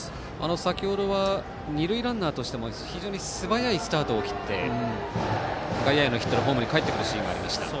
先ほどは二塁ランナーとしても非常に素早いスタートを切って外野へのヒットでホームにかえってくるシーンがありました。